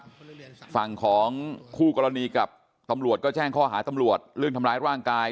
ระหว่างกันนะครับฝั่งของคู่กรณีกับตำรวจก็แจ้งข้อหาตำรวจเรื่องทำร้ายร่างกาย